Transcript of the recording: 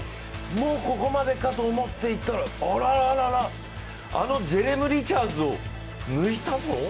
もうここまでかと思っていたらあらららら、あのジェレーム・リチャーズを抜いたぞ。